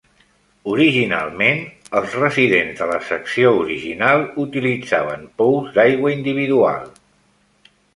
Originalment, els residents de la secció original utilitzaven pous d"aigua individual.